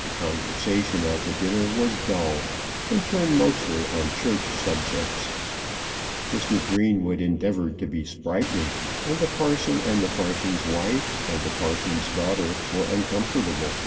The conversation at the dinner was dull, and turned mostly on Church subjects. Mr. Greenwood endeavoured to be sprightly, and the parson, and the parson's wife, and the parson's daughter were uncomfortable.